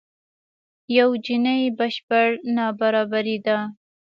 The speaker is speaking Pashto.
یو جیني بشپړ نابرابري ده.